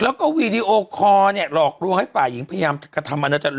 แล้วก็วีดีโอคอร์เนี่ยหลอกลวงให้ฝ่ายหญิงพยายามจะกระทำอนาจารย